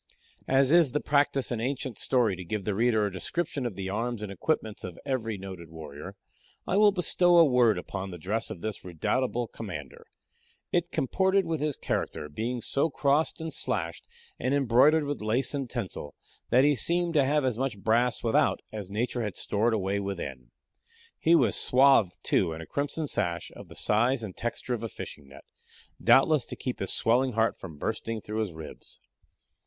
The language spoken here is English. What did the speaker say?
As it is the practice in ancient story to give the reader a description of the arms and equipments of every noted warrior, I will bestow a word upon the dress of this redoubtable commander. It comported with his character, being so crossed and slashed, and embroidered with lace and tinsel, that he seemed to have as much brass without as nature had stored away within. He was swathed, too, in a crimson sash, of the size and texture of a fishing net doubtless to keep his swelling heart from bursting through his ribs.